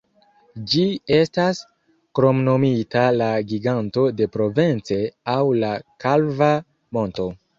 Ĝi estas kromnomita la Giganto de Provence aŭ la kalva monto.